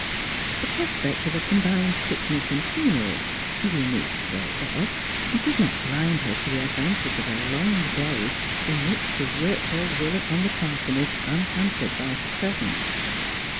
The prospect of a combined picnic and funeral, unique though it was, did not blind her to the advantage of a long day in which to work her will upon the parsonage unhampered by his presence.